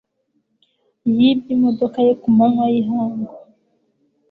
Yibye imodoka ye ku manywa y'ihangu.